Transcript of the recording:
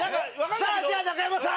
じゃあ中山さん！